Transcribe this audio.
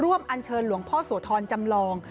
อันเชิญหลวงพ่อโสธรจำลอง